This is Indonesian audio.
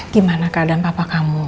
gimana keadaan papa kamu